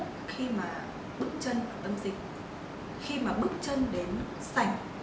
khi mà bước chân vào tâm dịch